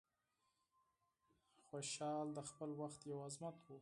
خوشحال د خپل وخت یو عظمت و.